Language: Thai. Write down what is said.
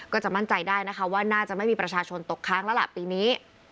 ก็จะมั่นใจได้นะคะว่าน่าจะไม่มีประชาชนตกค้างแล้วล่ะปีนี้